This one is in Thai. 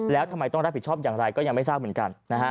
แล้วทำไมต้องรับผิดชอบอย่างไรก็ยังไม่ทราบเหมือนกัน